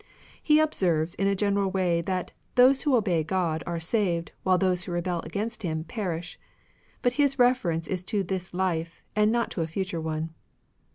He observes in a general way that "those who obey Grod are saved, while those who rebel against Him perish," but his reference is to this life, and not to a future one.